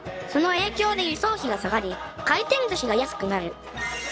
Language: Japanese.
その影響で輸送費が下がり回転寿司が安くなる